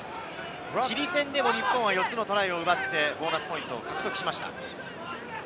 チリ戦でも日本は４つのトライを奪ってボーナスポイントを獲得しました。